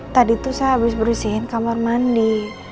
tadi tuh saya habis bersihin kamar mandi